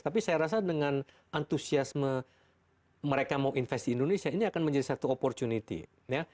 tapi saya rasa dengan antusiasme mereka mau investasi indonesia ini akan menjadi satu opportunity ya